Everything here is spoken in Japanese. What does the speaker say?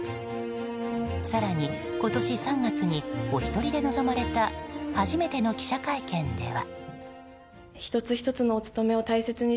更に今年３月にお一人で臨まれた初めての記者会見では。